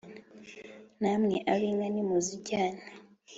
Namwe ab'inka nimuzijyane